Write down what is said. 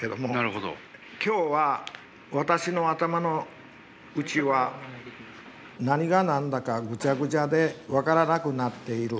「今日は私の頭の内は何が何だかぐちゃぐちゃで分からなくなっている。